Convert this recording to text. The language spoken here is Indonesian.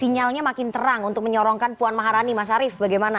sinyalnya makin terang untuk menyorongkan puan maharani mas arief bagaimana